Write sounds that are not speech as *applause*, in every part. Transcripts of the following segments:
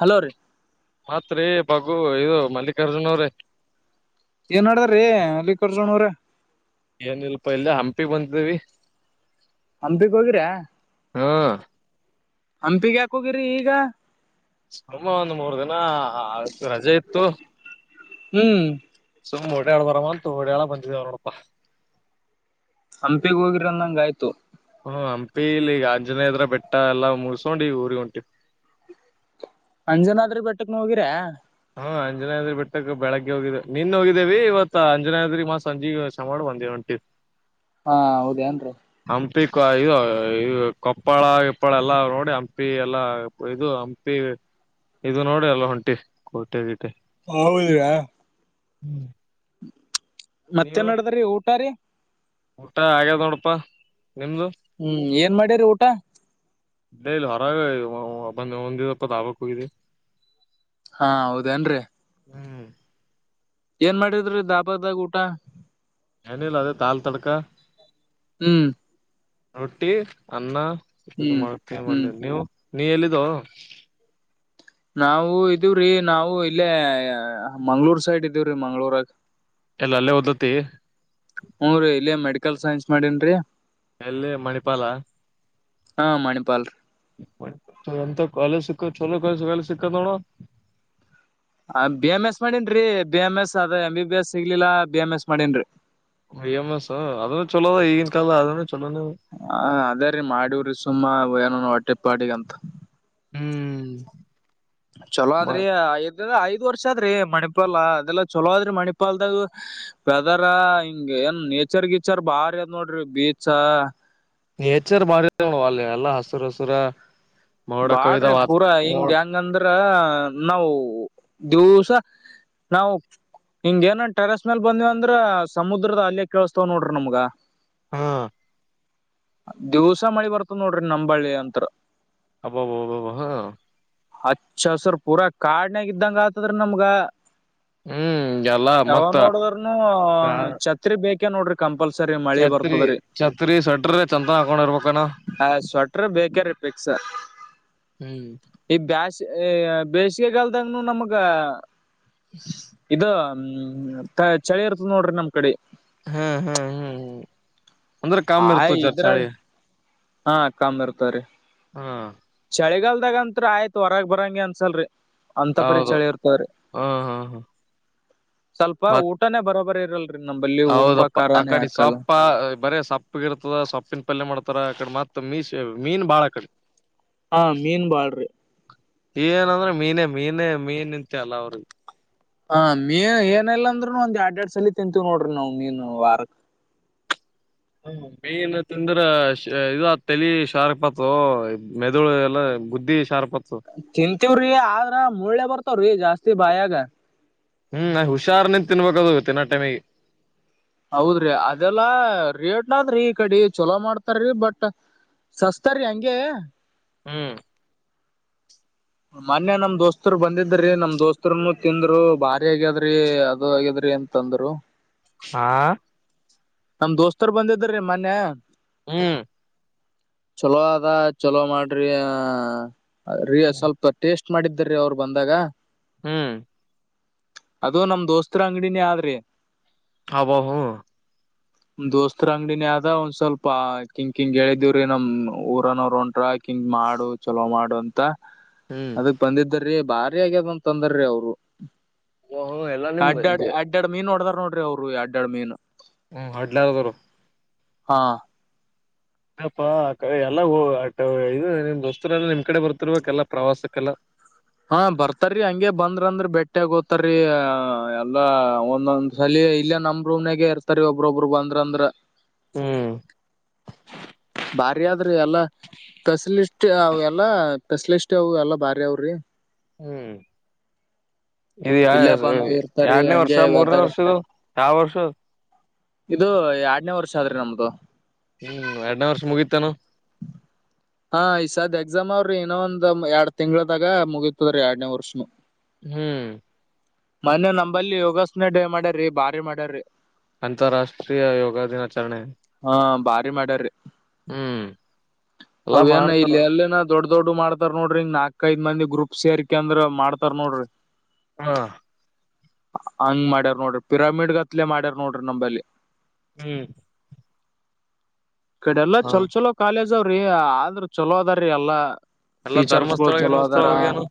Hello ರೀ ಮಾತ್ರಿ ಬಗು ಇದು ಮಲ್ಲಿಕಾರ್ಜುನ ಅವ್ರೇ ಅಲ್ಲಿಿಕರ್ಜುನ ಅವರ *unintelligible* ಏನಿಲ್ಪ ಇಲ್ಲೆ ಹಂಪಿಗಿ ಬಂದಿದ್ದೀವಿ. - ಹಂಪಿಗಿ ಹೋಗಿರಾ... ಹ್ಮ್,, ಹಂಪಿಗೆ ಯಾಕ ಹೋಗಿರಿ ಈಗ. ಸುಮ್ಮಾ ಒಂದ್ ಮೂರ್ ದಿನ ರಜೆ ಇತ್ತು. ಹ್ಮ್ ಸುಮ್ ಒಡ್ಯಾಡಿ ಬರಮ್ಮ ಅಂತ ಓಡ್ಯಾಳ ಬಂದಿದವ ನೋಡಪಾ. ಹಂಪಿಗೆ ಹೋಗಿರಂದಂಗ ಆಯ್ತು. ಹ್ಮ, ಹಂಪಿ ಇಲ್ಲಿ ಈಗ ಆಂಜನೇಯದ್ರ ಬೆಟ್ಟ ಎಲ್ಲಾ ಮುಗಸ್ಕೊಂಡು ಈ ಊರಿಗೆ ಒಂಟಿವಿ. *inaudible* ಅಂಜನಾದ್ರಿ ಬೆಟ್ಟಕ್ನ ಹೋಗಿರಾ, ಹಾ, ಅಂಜನಾದ್ರಿ ಬಿಟ್ಟಕ್ ಬೆಳಗ್ಗೆ ಹೋಗಿದ್ದೆ ನಿನ್ ಹೋಗಿದ್ದೇವಿ. ಇವತ್ ಅಂಜನಾದ್ರಿ ಮಾಸ ಸಂಜಿ ಶ ಮಾಡ *unintelligible* ಬಂದೇವಂ ಹೆ *inaudible* ಹಾ, ಹೌದೇ ಏನ್ರಿ ಹಂಪಿ ಇದು ಕೊಪ್ಪಳ ಗಿಪ್ಪಳ ಎಲ್ಲ ನೋಡಿ ಹಂಪಿ ಎಲ್ಲ ಇದು ಹಂಪಿ. ಇದು ನೋಡಿ ಅಲ್ಲ ಒಂಟಿವಿ, ಕೋಟೆ- ಗೀಟೆ ಹೌದರಾ *unintelligible* ಹ್ಮ್ *inaudible* ಮತ್ತೇನ್ ನಡದ್ರಿ ಊಟ ರೀ, ಊಟ ಹಾಗ್ಯದ್ ನೋಡಪ್ಪಾ. ಹ್ಮ್, ಏನ್ ಮಾಡ್ಯರಿ ಊಟ ಎಂ ಇಲ್ಲೆಹೊರಗೆ ಬಂದ ಉಂಡಿವಪ್ಪ ದಾರುಕ ಹೋಗಿದಿವಿ. ಹಾ, ಹೌದೇನ್ರರಿ ಏನ್ ಮಾಡಿದ್ರಿ ಡಾಬಾದಾಗ ಊಟ, ಏನಿಲ್ಲ ಅದೇ ದಾಲ್ತಡಕ ಹ್ಮ್, ರೊಟ್ಟಿ ಅನ್ನ ಇದು ಹ್ಮ್ ಮಾಡ್ತೀ ಹ್ಮ್ ನೀವು ನೀ ಎಲ್ಲಿದ್ದೊ,, ನಾವು ಇದೀವ್ರೀ ನಾವು ಇಲ್ಲೇ ಮಂಗ್ಳೂರ್ ಸೈಡ್ ಇದೀವ್ರಿ ಮಂಗ್ಳೂರಾಗ. ಎಲ್ಲಿ ಅಲ್ಲೇ ಓದತಿ ಹ್ಮ್, ರೀ ಇಲ್ಲೆ ಮೆಡಿಕಲ್ ಸೈನ್ಸ್ ಮಾಡಿನ್ರೀ, ಎಲ್ಲಿ ಮಣಿಪಾಲ ಹಾ, ಮಣಿಪಾಲ್ರಿ ಎಂತ ಕಾಲೇಜು ಸಿಕ್ಕಿದ, ಚೊಲೋ ಕಾಲೇಜ್ ಹಿಂದೆ ನೋಡು. ಆ, ಬಿ, ಎಮ್, ಎಸ್ ಮಾಡೇನ್ರರಿ ಬಿ, ಎಮ್, ಎಸ್, ಅದ ಎಂ, ಬಿ, ಬಿ, ಎಸ್ ಸಿಗ್ಲಿಲ್ಲಾ ಬಿ, ಎಮ್, ಎಸ್ ಮಾಡೇನ್ರಿ,, ಬಿ, ಎಂ, ಎಸ್ ಅದನ್ನುಚಲೋಈಗಿನ ಕಾಲದ. ಅದ ಚಲೋನೇ ಹ, ಅದೇ ರೀ ಮಾಡೀವ್ರಿ ಸುಮ್ಮ ಏನ ಹೊಟ್ಟೆ ಪಾಡಿಗಂತ. ಹ್ಮ್ ಚಲೋ ಆದ್ರಿ ಐದ್ ಇದೆಲ್ಲ ಐದ್ ವರ್ಷ ಆದ್ರೀ ಮಣಿಪಾಲ್. ಅದೆಲ್ಲಾ ಚಲೋ ಆದ್ರಿ ಮಣಿಪಾಲ್ದಾಗ. ವೆದರ ಹಿಂಗೆ ಏನ್ ನೇಚರ್- ಗೀಚರ್ ಬಾರಿ ಅದ್ ನೋಡ್ರಿ ಬೀಚ, ನೇಚರ್ ಬಾರಿಆದೋ ಅಲ್ಲಿ ಎಲ್ಲಾ ಹಸುರು- ಹಸುರ. ಮೋಡ ಕವಿದ ಬಾಡ್ರಿ ಪೂರಾ ಹಿಂಗ ಮೋಡ್ ಹೆಂಗಂದ್ರ ನಾವು ದಿವ್ಸ ನಾವು ಹಿಂಗ ಏನ್ ಟೆರಸ್ ಮೇಲ್ ಬಂದ್ವ ಅಂದ್ರ ಸಮುದ್ರದ ಅಲೆ ಕೇಳಸ್ತಾವ ನೋಡ್ರಿ ನಮ್ಗ. ಹಾ, ದಿವ್ಸಾ ಮಳಿ ಬರ್ತದ ನೋಡ್ರಿ ನಂಬಳ್ಳಿ ಅಂತ್ರ, ಅಬ್ಬಬಬ್ಬಬ! ಹಾ, ಅಚ್ಚ ಹಸರ್ ಪೂರಾ ಕಾಡ್ನಾಗ ಇದ್ದಂಗ ಆತದ್ರಿ ನಮ್ಗ. ಹ್ಮ್ ಎಲ್ಲಾ ಯಾವ ಮತ್ತ ನೋಡುದ್ರನು ಛತ್ರಿ ಬೇಕೇ ನೋಡ್ರಿ ಕಂಪಲ್ಸರಿ. ಮಳಿ ಛತ್ರಿ ಬರ್ತದ್ರಿ ಛತ್ರಿ ಸಟ್ರ ಚಂದನ ಹಾಕೊಂಡಿರ್ಬಣ ಹ ಸ್ವೆಟರ್ ಬೇಕ್ರ ಪಿಕ್ಸ ಹ್ಮ್ ಕ ಬೇಸಿಗೆಗಾಲದಂಗನು ನಮಗೆ ಇ ಹ್ಮ್ ಚಳಿ ಇರ್ತದ ನೋಡ್ರಿ ನಮ್ ಕಡೆ ಹ್ಮ್ ಹ್ಮ್ ಹ್ಮ್ ಹ್ಮ್ ಅಂದ್ರೆ ಕಾಮ ಇರ್ತ ಆಯ್ ಜರ್ ಇದ್ರಾಗ ಚಾಳಿ ಹಾ ಕಾಮ ಇರ್ತಾರೆ ಹಾ ಬೆಳಿಗಾಲದಾಗ ಅಂತ್ ಆಯ್ತ್ ಹೊರಗ್ ಬರಂಗ ಅನ್ಸಲ್ರಿ ಅಂತ ಹೌದು ಪರಿಚಳಿ ಇರ್ತದರಿ ಹ್ಮ್ ಹ್ಮ್ ಹ್ಮ್ ಸ್ವಲ್ಪ ಊಟನೇ ಬರೋಬರಿ ಇ ಹೌದಪ್ಪ ಆ ಕಡೆ ಸೊಪ್ಪ ಬರ ಸೊಪ್ಪಗಿರ್ತದ ಸೊಪ್ಪಿನ ಪಲ್ಯ ಮಾಡ್ತಾರ ಅಕಡೆ ಮತ್ತತ್ ಮೀ ಮೀನ್ ಬಾಳ ಅ ಕಡೆ ಹಾ ಮೀನ್ ಬಾಳ್ರಿ ಏನಂದ್ರೆ ಮೀನೇ ಮೀನೇ ಮೀನ್ ನಿಂತೆ ಅಲ್ಲ ಅವ್ರಿಗೆ ಹ ಮೀನ್ ಏನಲ್ಲ ಅಂದ್ರರುನು ಒಂದ್ ಎರಡ್ ಎರಡ್ ಸಲ ತಿಂತೀವ್ ನೋಡ್ರಿ ನಾವ್ ಮೀನು ವಾರಕ್ ಹ ಮೀನ್ಂತಿಂದ್ರ ಇ ತಲಿ ಶಾರ್ಪತ್ ಮೆದುಳು ಎಲ್ಲ ಬುದ್ಧಿ ಶರ್ ತಿಂತೀವ್ರಿ ಆದ್ರ ಮುಳ್ಳೆ ಬರ್ತಾವ್ರಿ ಜಾಸ್ತಿ ಬಾಯಾಗ ತಿನಾಟಮೇ ಹೌದ್ರಿ ಅದೆಲ್ಲಾ ರೇಟ್ನಾದ್ರಿ ಈ ಕಡೆ ಚಲೋ ಮಾಡ್ತಾರಿ ಬಟ್ ಸಸ್ತಾರಿೀ ಹಂಂಗಗೆ ಹ್ಮ್ ಮೊೆ ನಮ್ ದೋಸ್ತರು ಬಂದಿದ್ರಿ ನಮ್ ದೋಸ್ತರುನು ತಿಂದ್ರು ಬಾರಿ ಆಗ್ಯಾದ್ರಿ ಅದು ಆಗಿದ್ರಿ ಅಂತಂದ್ರು ಹಾ ನಮ್ ದೋಸ್ತರ್ ಬಂದಿದ್ರೀ ಮೊನ್ಯ ಹ್ಮ್ ಚಲೋ ಅದ ಚಲೋ ಮಾಡ್ರಿ ಅ ರಿಯ ಸ್ಲ್ಪ ಟೇಸ್ಟ್ ಮಾಡಿದ್ರೀ ಅವ್ರು ಬಂದಾಗ ಹ್ಮ್ ಅದು ನಮ ದೋಸ್ತರ ಅಂಗಡಿನೇ ಆದ್ರಿ ಹಬೋ ಹ್ಮ ದೋಸ್ತ್ರ ಅಂಗಡಿನ ಆದ ಒಂದ್ ಸ್ವಲ್ಪ ಕಿಂಕಿಂಗ್ಗೆ ಹೇಳಿದೇವ್ರೀ ನಮ್ ಊರನೋ ಹೊಂಟ್ರ ಕಿಂಗ ಮಾಡು ಚಲೋ ಮಾಡು ಅಂತ ಹ್ಮ್ ಅದಕ್ ಬಂದಿದ್ದರಿ ಭಾರಿ ಆಗ್ಯದಂತ ತಂದರ್ರೀ ಅವರು ಎಲ್ಲಾ ನಿಮ್ ಅಡ್ಡಾಡ್ ಅಡ್ಡ ಅಡ್ ಮೀನ್ ನಡದಾರ ನೋಡ್ರಿ ಅವರು ಅಡ್ಡಾಡ್ ಮೀನ್ ಹ್ಮ್ ಹಡ್ಲಾರ ತರ ಹಾ ಇಪ್ಪಾ ಆಡೆ ಎಲ್ಲ ಇದು ನಿಮ್ ದೋಸ್ತರೆಲ್ಲ ನಿಮ್ ಕಡೆ ಬರ್ತಿರ್ಬೇಕ ಎಲ್ಲಾ ಪ್ರವಾಸಕ್ಕೆಲ್ಲ ಹಾ ಬರ್ತಾರೀ ಹಂಗಗೆ ಬಂದ್ರ ಅಂದ್ರ ಬೆಟ್ಟೆ ಓತಾರೀ ಎಲ್ಲಾ ಒಂದೊಂದ್ ಸಲ ಇಲ್ಲ ನಮ್ ರೂಮ್ಾಗ ಇರ್ತಾರಿ ಒಬ್ಬ್ರೊಬ್ರು ಬಂದ್ರ ಅಂದ್ರ ಹ್ಮ್ ಬಾರಿಾದ್ರೆ ಎಲ್ಲಾ ಸ್ಪೆಷಲಿಸ್ಟ್ ಅವ ಎಲ್ಲಾ ಸ್ಪೆಷಲಿಸ್ಟ್ ಅವ ಎಲ್ಲಾ ಬಾರಿ ಅವ್ರಿ ಹ್ಮ್ ಇ ಇಲ್ಲೇ ಬಂದು ಇರ್ತಾರ್ರಿ ಎರಡ್ನೇ ವರ್ಷ ಹಂಗೆ ಮೂರ್ನೇ ವೆದರ್ ವರ್ಷದು ಯಾವ ವರ್ಷ ಇದು ಎರಡ್ನೇ ವರ್ಷ ಆದ್ರಿ ನಮ್ದು ಹ್ಮ್ ಎರಡ್ನೇ ವರ್ಷ ಮುಗೀತಾನ ಹಾ ಈಸಾದ್ ಎಕ್ಸಾಮ್ ಅವ್ರಿ ಇನ್ನೊ ಒಂದ್ ಎರಡ್ ತಿಂಗಳದಾಗ ಮುಗೀತದ್ರೀ ಎರಡ್ನೇ ವರ್ಷ ಹ್ಮ್ ಮನೆ ನಂಬಲ್ಲಿ ಯೋಗಾಸನೆ ಮಾಡ್ಯ್ರೀ ಬಾರಿ ಮಾಡ್ಯ್ರಿ ಅಂತರಾಷ್ಟ್ರೀಯ ಯೋಗ ದಿನ ಆಚರಣೆ ಮಾಡ ಎಲ್ಲಾ ಅವ್ಯನ ಮಾಡ್ತಾರ ಇಲ್ಲಿ ಅಲ್ಲ ದೊಡ್ ದೊಡ್ ಮಾಡ್ತಾರ್ ನೋಡ್ರಿಂಗ ನಾಲ್ಕ್ ಐದ ಮಂದಿ ಗ್ರೂಪ್ ಸೇರ್ಕ ಅಂದ್ರ ಮಾಡ್ತಾರ್ ನೋಡ್ರಿ ಹಾ ಹಂಗ ಮಾಡ್ಯಾರ್ ನೋಡ್ರಿ ಪಿರಾಮಿಡ್ ಗತ್ಲೆ ಮಾಡ್ಯಾರ ನೋಡ್ರಿ ನಂಬಲ್ಲಿ ಹ್ಮ್ ಕಡೆ ಎಲ್ಲಾ ಹ ಚಲೋ ಚಲೋ ಕಾಲೇಜ್ಾವ್ರಿ ಆದ್ರರು ಚಲೋ ಅದಾರೀ ಎಲ್ಲಾ ಎಲ್ಲಾ ಟೀಚರ್ಸ್ಗಳು ಧರ್ಮಸ್ಥಳ ಚಲೋ ಗಿರ್ಮಸ್ಥಳ ಅದಾರ ಹೋಗ್ಯನು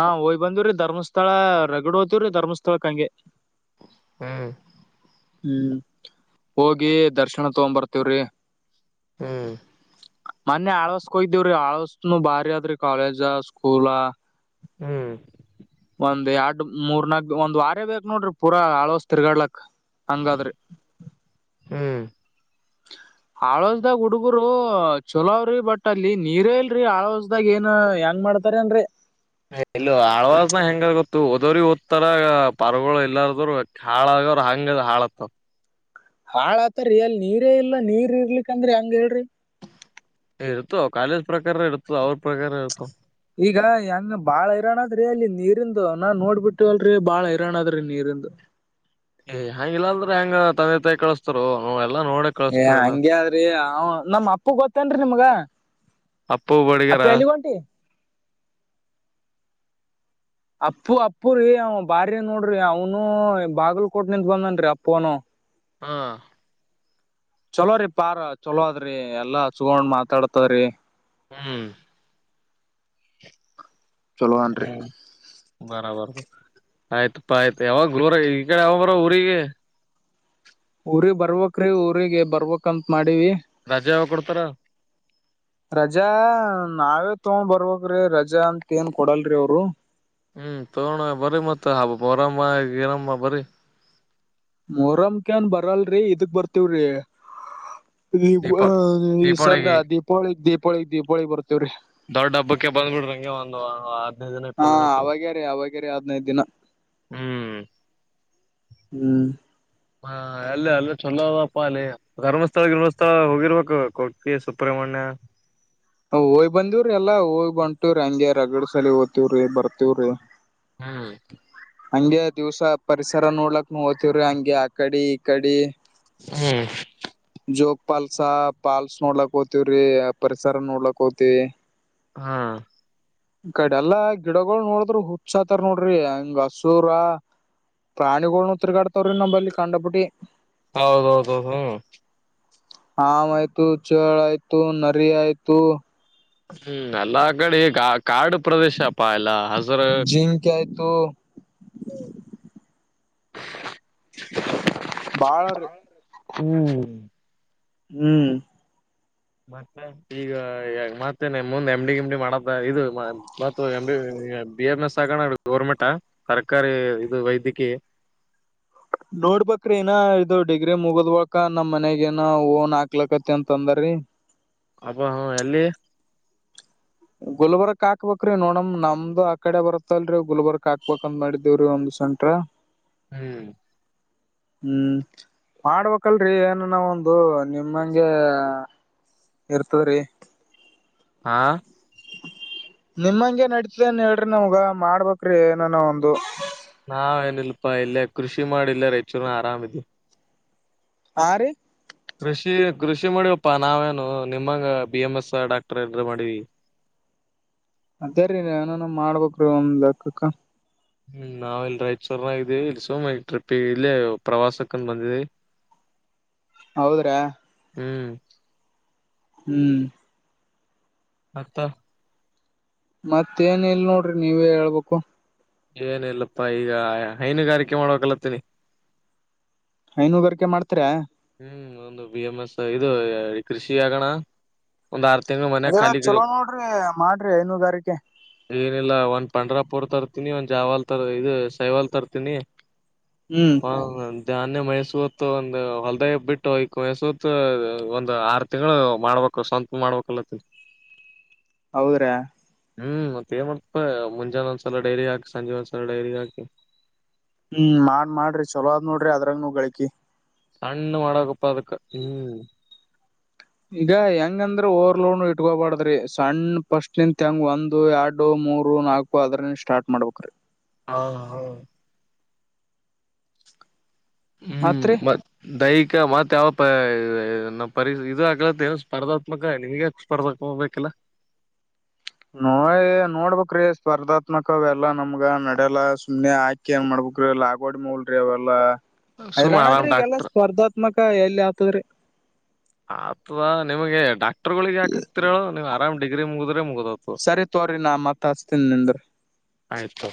ಹಾ ಹಯ್ ಬಂದವ್ರಿ ಧರ್ಮಸ್ಥಳ ರಗಡು ಹೋ್ತವ್ರಿ ಧರ್ಮಸ್ಥಳ ಕಂಗೆ ಹ್ಮ್ ಹ್ಮ್ ಹೋಗಿ ದರ್ಶನ ತಗೊ ಬರ್ತವ್ರಿ ಹ್ಮ್ ಮೊನ್ನೆ ಆಳ್ವಸ್ಕೊಯ್ದವ್ರಿ ಆಳ್ವಸ್ನು ಬಾರಿ ಆದ್ರಿ ಕಾಲೇಜ ಸ್ಕೂಲ ಹ್ಮ್ ಮೂರ್ನಾಗ ಒಂದ್ ವಾರ ಬೇಕಕ್ ನೋಡ್ರಿ ಪೂರ ಆಳ್ಳವಸ್ ತಿರ್ಗಡ್ಲಕ್ ಹಂಗಾದ್ರೆ ಹ್ಮ್ ಹಳವಸ್ದಾಗ ಹುಡ್ಗರು ಚಲಾವ್ರಿ ಬಟ್ ಅಲ್ಲಿ ನೀರೇ ಇಲ್ರರಿ ಆಳ್ವಸ್ದಾಗ ಏನ್ ಹೆಂಗ ಮಾಡ್ತಾರ ಅಏನ್ರಿ ಇಲ್ಲ ಆಳ್ವಾಸನ ಹೆಂಗ ಗೊತ್ತು ಹಓದೋ್ರ ಓದ್ತರ ಪಾರ್ಗಳು ಎಲ್ಲಾರದರು ಕಾಳ ಹಂಗ ಹಾಳತ್ತ ಹಾಳ ಆತರಿೀ ಅಲ್ ನೀರೇ ಇಲ್ಲ ನೀರ್ ಇರ್ಲಿಕ್ಕಂದ್ರಿ ಹಂಗ ಹೇಳ್ರಿ ಇರುತೋ ಕಾಲೇಜ್ ಪ್ರಕಾರ ಇರುತ ಅವ್ರ ಪ್ರಕಾರ ಇರ್ತ ಹೆಂಗ ಬಾಳ್ ಹೈರಾಣದ್ರಿ ಅಲ್ಲಿ ನೀರಿಂದು ನಾ ನೋಡ್ಬಿಟ್ಟವ ಅಲ್ರಿ ಬಾಳ ಹೈರಾಣ ಆದ್ರಿ ನೀರಿಂದು. ಏಯ್ ಹಂಗಿಲ್ಲ ಅಂದ್ರ್ ಹೆಂಗೋ ತಂದೆ ತಾಯಿ ಕಳಿಸ್ತರು ನೋ ವೆಲ್ ಏ ಹಂಗೆ ಆದ್ರಿ ಅವ್ ನಮ್ ಅಪ್ಪ ಗೊತ್ತೇನ್ರಿ ನಿಮ್ಗ? ಅಪ್ಪು ಬಡಿಗೆರ ಅಪ್ಪ ಎಲ್ಲಿಗ್ ಹೊಂಟಿ ಅಪ್ಪು ಅಪ್ಪುರೀ ಅವ ಬಾರಿ ನೋಡ್ರಿ ಅವನು ಬಾಗಲಕೋಟ್ ನಿಂದ ಬಂದನ್ರಿ ಅಪ್ಪುನು. ಹಾ ಚಲೋ ರೀ ಪಾರ್ ಚಲೋ ಅದ್ರಿ ಎಲ್ಲಾ ಹಚ್ಗೊಂಡ್ ಮಾತಾಡ್ತರಿ. ಹ್ಮ್ ಚಲೋ ಅನ್ರಿ ಹ್ಮ್ ಬರೊಬರ್ ಬ ಆಯ್ತಪ್ಪಾ ಆಯ್ತು ಯಾವಾಗ್ರುರ ಈ ಕಡೆ ಯಾವಾಗ ಬರ ಊರಿಗೆ? ಊರಿಗೆ ಬರ್ಬಕ್ರಿ ಊರಿಗೆ ಬರ್ಬೇಕಂತ್ ಮಾಡ್ ರಜ ಯಾವಗ್ ಕೊಡ್ತಾರ. ರಜಾ ನಾವೇ ತಗೊಂಡ್ ಬರ್ಬೇಕ್ರಿ ರಜಾ ಅಂತ ಏನ್ ಕೊಡಲ್ರಿ ಅವ್ರು. ಮ್ಮ ಎ ನಮ್ಮ ಬರ್ರೀ ಮೊರಂ ಕ್ಕೆನ್ ಬರಲ್ರಿ ಇದುಕ್ ಬರ್ತಿವ್ರಿ. ದೀಪ ಈ ಸದ್ ದೀಪಾವಳಿಗೆ ದೀಪಾವಳಿ ದೀಪಾವಳಿಗ್ ದೀಪಾವಳಗ್ ಬರ್ತೇವ್ರೀ. ದೊಡ್ಡ ಹಬ್ಬಕ್ಕೆ ಬಂದ್ಬಿಡ್ರಂಗೆ ಒಂದು ಆ ಹಾ ಅವಾಗ್ಯಾರ ಅವಾಗ್ಯಾರ ಹದ್ನೈದು ದಿನ ಹ್ಮ್ ಹ್ಮ್ ಹ ಅಲ್ಲಿ ಅಲ್ಲ ಚಲೋ ಅದಪ್ಪ ಅಲ್ಲಿ ಧರ್ಮಸ್ಥಳ ಗಿರ್ಮಸ್ಥಳ ಹೋಗಿರ್ಬೇಕು ಕೊಕ್ಕೆ ಸುಬ್ರಹ್ಮಣ್ಯ. ಹಾ ಹೋಗಿ ಬಂದವ್ರಿ ಎಲ್ಲ ಹೋಗ್ ಹೊಂಟಿವ್ರಿ ಹಂಗಗೆ ರಗಡ ಸಲ ಹೋತ್ತಿವ್ರಿ ಬರ್ತಿವ್ರಿ. ಹ್ಮ್ ಹಂಗೆ ದಿವ್ಸ ಪರಿಸರ ನೋಡ್ಲಕ್ ಹೋತಿವ್ರಿ ಹಂಗೆ ಆ ಕಡೆ ಈ ಕಡಿ. ಹ್ಮ್ ಜೋಗ ಪಾಲ್ಸ ಪಾಲ್ಸ್ ನೋಡ್ಲಕ್ ಹೋಗ್ತಿವ್ರಿ ಆ ಪರಿಸರ ನೋಡ್ಲಾಕ್ ಹೋಗ್ತಿವಿ. ಹಾ ಕಡೆಲ್ಲಾ ಗಿಡಗಳು ನೋಡಿದ್ರು ಹುಚ್ಸಾತಾರ ನೋಡ್ರಿ ಹಂಗ ಹಸೂರ ಪ್ರಾಣಿಗಳ್ನು ತೀರ್ಗಾಡ್ತಾವ್ರಿ ನಮ್ಮಲ್ಲಿ ಕಂಡ ಬಟ್ಟಿ. ಹೌದೌದೌದು ಹ್ಮ ಹಾವ್ ಆಯ್ತು ಚೆಳ್ ಆಯ್ತು ನರಿ ಆಯ್ತು ಹ್ಮ್ ಎಲ್ಲ ಕಡೆ ಕಾ ಕಾಡು ಪ್ರದೇಶಪ್ಪಾ ಎಲ್ಲ ಹಸುರು ಜಿಂಕೆ ಆಯ್ತು *unintelligible* ಬಾಳರಿ ಹ್ಮ್ ಹ್ಮ್ ಮತ್ತೆ ಈಗ ಮತ್ತೆ ಮುಂದೆ ಎಮ್ ಡಿ ಗಿಮ್ಡಿ ಮಾಡದ ಇದು ಮ ಮತ್ತ್ M D B M S ಆಗೋಣ ಗೌರ್ಮೆಂಟಾ ಸರ್ಕಾರಿ ಇದು ವೈದ್ಯಕೀಯ? ನೋಡ್ಬಕ್ರೀ ಇನ್ನ ಇದು ಡಿಗ್ರಿ ಮುಗದ್ವಕ ನಮ್ ಮನಗೇನ ಓನ್ ಹಾಕ್ಲಕತಿ ಅಂತಂದಾರಿ. ಇ ಅಬ್ಬ ಹ ಎಲ್ಲಿ? ಗುಲ್ಬರ್ಕ್ ಹಕ್ಬೇಕ್ರಿ ನೋಡಮ್ ನಮ್ದ್ ಆ ಕಡೆ ಬರ್ತ್ತಲ್ರರಿ ಗುಲ್ಬರ್ಕ್ ಹಕ್ಬೇಕಂದ್ ಮಾಡಿದೇವ್ರೀ ಒಂದ್. ಸೆಂಟ್ರ ಹ್ಮ್ ಹ್ಮ್ ಮಾಡ್ಬೇಕಲ್ರಿ ಏನ ನಾವು ಒಂದು ನಿಮ್ಮಂಗೆ ಇರ್ತವ್ರೀ ಹಾ ನಿಮ್ಮಂಗೆ ನಡತಿದೆನ್ ಹೇಳ್ರಿ ನಾವ್ಗ ಮಾಡ್ಬೇಕ್ರಿ ಏನನ ಒಂದು. ನಾವೇಏನಿಲ್ಪಾ ಇಲ್ಲೇ ಕೃಷಿ ಮಾಡಿಲ್ಲ ರೈಚೂರು ಆರಾಮಿದಿ ಹ ರೀ ಕೃಷಿ ಕೃಷಿ ಮಾಡವಪ್ಪಾ ನಾವೇನು ನಿಮ್ಮಂಗ ಬಿ ಎಂ ಎಸ್ ಡಾಕ್ಟರ್ ಎ್ರ ಮಾಡೀವಿ *inaudible* ಅದೇ ರೀ ಏನನು ಮಾಡ್ಬೇಕ್ರೀ ಒಂದ್ ಲಕ್ಕಕ್ಕ ಹ್ಮ್ ನಾವ ಇಲ್ ರಾಯಚೂರ್ನಾಗಿದ್ದೀವಿ ಇಲ್ಲಿ ಸುಮ ಟ್ರಿಪ್ಿಗೆ ಇಲ್ಲಿ ಪ್ರವಾಸಕ್ಕಂದ ಬಂದಿದೆವಿ *inaudible* ಹೌದ್ರಾ ಹ್ಮ್ ಹ್ಮ್ ಅತ್ತ ಮತ್ತೇನ್ ಇಲ್ ನೋಡ್ರಿ ನೀವೆ ಹೇಳ್ಬೇಕು ಏನ ಇಿಲ್ಲಪ್ಪಾ ಈಗ ಹೈನುಗಾರಿಕೆ ಮಾಡ್ಬೇಕಕ್ಲತ್ತೀನಿ ಐನುೂಗಾರಿಕೆ ಮಾಡ್ತರಾ ಹ್ಮ್ ಒಂದು ಬಿ ಎಂ ಎಸ್ ಇದು ಕೃಷಿ ಆಗೋಣ ಒಂದ ಆರ್ ತಿಂಗಳು ಮನೆ ಅದೆಲ್ಲ ಖಾಲಿ ಚಲೋ ನೋಡ್ರಿ ಮಾಡ್ರಿ ಐನೂರುಗಾರಿಕೆ ಇಲ್ಲ ಒಂದ್ ಪಂಡ್ರಾಪುರ್ ತರ್ತೀನಿ ಒಂದ್ ಜಾವಲ್ ತರ ಇದು ಸೈವಾಲ್ ತರ್ತೀನಿ ಹ್ಮ್ ಹ ನ್ಯ ಮೈಸೂತ್ತು ಒಂದು ಹೊಲ್ ದಯ ಬಿಟ್ಟುಕಯಸತ್ ಒಂದ್ ಆರು ತಿಂಗಳು ಮಾಡ್ಬೇಕ ಸ್ವಂತ ಮಾಡ್ಬೇಕಲ್ಲತ್ತ *inaudible* ಹೌದ್ರಾ ಹ್ಮ್ ಮತ್ತ ಏನ್ ಮಾಡತಪ ಮುಂಜಾನೆ ಒಂದ್ಸಲ ಡೈರಿ ಹಾಕಿ ಸಂಜೆ ಒಂದ್ಸಲ ಡೈರಿ ಹಾಕಿ ಹ್ಮ್ ಮಾಡ ಮಾಡ್ರಿ ಚಲೋ ಅ ಆದ್ ನೋಡ್ರಿ ಅದ್ರಾಗ ನೂ ಗಳಿಕಿ ಸಣ್ಣು ಮಡಗ ಪದುಕ್ಕೆ ಹ್ಮ್ ಈಗ ಹೆಂಗಂದ್ರ ಓರ್ಲೋ ಇಟ್ಕೋಬಾರ್ದ್ರಿ ಸಣ್ಣ ಪಫಸ್ಟ್ ನಿಂತತ್ ಹೆಂಗ ಒಂದು ಎರಡು ಮೂರು ನಾಲ್ಕು ಅದ್ರ ಸ್ಟಾರ್ಟ್ ಮಾಡ್ಬೇಕ್ರೀ ಹಾ ಹಾ ಹ್ಮ್ ಮತ್ರಿ ಮ ದೈ ಮತ್ ಯಾವ ಪಾ ಇ ಪರಿಸ ಇದು ಆಗ್ಲತ್ತ ಏ ಸ್ಪರ್ಧಾತ್ಮಕ ನಿಮ್ಗೆ ಸ್ಪರ್ಧಾತ್ಮಕ ಬೇಕಿಲ್ಲ *inaudible* ನೋಯ ನೋಡ್ಬ್ರೀ ಸ್ಪರ್ಧಾತ್ಮಕ ಎಲ್ಲಾ ನಮ್ಗ ನಡೆಲ್ಲ ಸುಮ್ನೆ ಆಕಿ ಏನ್ ಮಾಡ್ಬ ಕುಗ್ರ ಲ ಆಗೋಡ್ ಮಲ್ರಿ ಅವೆಲ್ಲಾ ಸುಮ್ ಆರಾಮ್ ಹರಾಣದ್ರಿ ಈಗೆಲ್ಲ ಡಾಕ್ಟರ್ ಸ್ಪರ್ಧಾತ್ಮಕ ಎಲ್ಲಿ ಆತದ್ರಿ ಆಥವಾ ನಿಮಗೆ ಡಾಕ್ಟರ್ಗಳಿಿಗೆ ಯಾಕಕ್ತಿರು ನೀ್ ಆರಾಮ್ ಡಿಗ್ರಿ ಮುಗಿದ್ರೆ ಮುಗ ಸರಿ ತೋ್ರಿ ನಾ ಮತ್ ಹಸ್ತೀನಿ ನಿಂದ್ರ ಆಯ್ತು